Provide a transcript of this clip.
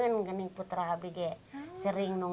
saya sudah berusia lima tahun